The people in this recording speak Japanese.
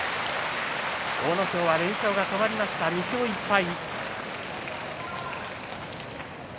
阿武咲は連勝が止まりました２勝１敗。